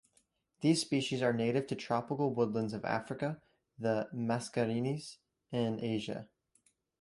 These species are native to tropical woodlands of Africa, the Mascarenes and Asia.